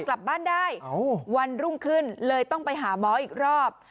กลับบ้านได้วันรุ่งขึ้นเลยต้องไปหาหมออีกรอบ